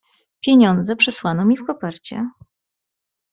"Pieniądze przysłano mi w kopercie."